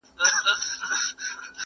ککرۍ به ماتوي د مظلومانو!!